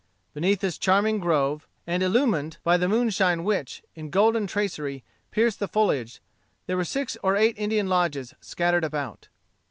Beneath this charming grove, and illumined by the moonshine which, in golden tracery, pierced the foliage, there were six or eight Indian lodges scattered about.